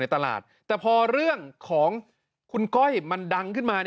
ตลาดแต่พอเรื่องของคุณก้อยมันดังขึ้นมา